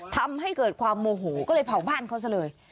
ทำให้เกิดความโมโหก็เลยเผาบ้านเขาซะเลย